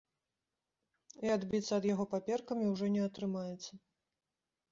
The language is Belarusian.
І адбіцца ад яго паперкамі ўжо не атрымаецца.